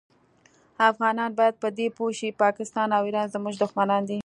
افغانان باید په دي پوه شي پاکستان او ایران زمونږ دوښمنان دي